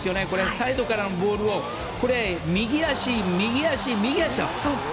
サイドからのボールを右足、右足、右足と！